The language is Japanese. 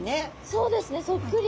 そうですねそっくり。